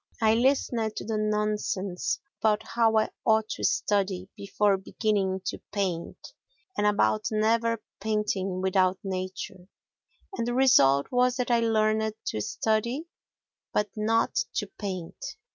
I listened to the nonsense about how I ought to study before beginning to paint, and about never painting without nature, and the result was that I learned to study but not to paint.